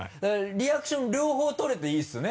リアクション両方取れていいですね。